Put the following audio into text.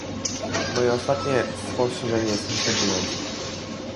Moje ostatnie spostrzeżenie jest następujące